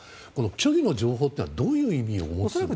虚偽の情報というのはどういう意味を持つんですか？